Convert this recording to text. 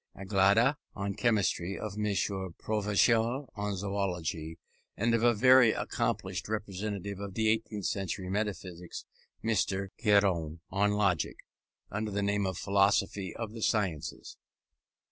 Anglada on chemistry, of M. Provençal on zoology, and of a very accomplished representative of the eighteenth century metaphysics, M. Gergonne, on logic, under the name of Philosophy of the Sciences.